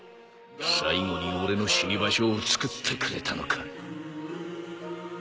最後に俺の死に場所をつくってくれたのか。